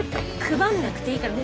配んなくていいから。